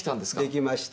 できました。